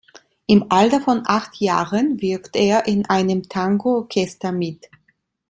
Im Alter von acht Jahren wirkt er in einem Tango-Orchester mit.